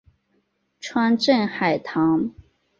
川滇海棠